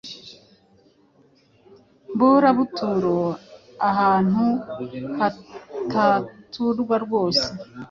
mburabuturo: Ahantu hataturwa rwose